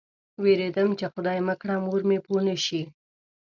وېرېدم چې خدای مه کړه مور مې پوه نه شي.